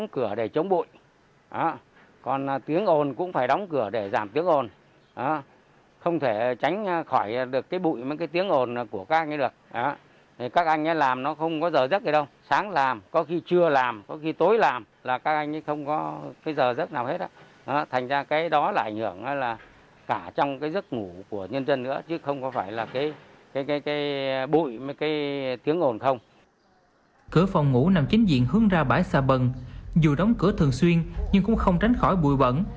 cửa phòng ngủ nằm chính diện hướng ra bãi xà bần dù đóng cửa thường xuyên nhưng cũng không tránh khỏi bụi bẩn